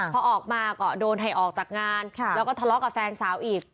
พอออกมาก็โดนให้ออกจากงานแล้วก็ทะเลาะกับแฟนสาวอีก